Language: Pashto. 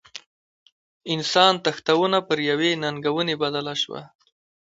انسان تښتونه پر یوې ننګونې بدله شوه.